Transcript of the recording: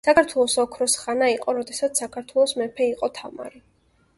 საქართველოს ოქროს ხანა იყო, როდესაც საქართველოს მეფე იყო თამარი.